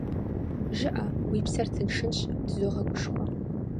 - ЖыӀэ, уи псэр тыншынщ,- тызогъэгушхуэ.